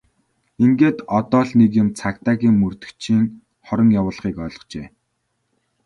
Ингээд одоо л нэг юм цагдаагийн мөрдөгчийн хорон явуулгыг ойлгожээ!